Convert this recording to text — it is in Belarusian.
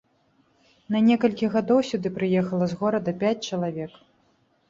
На некалькі гадоў сюды прыехала з горада пяць чалавек.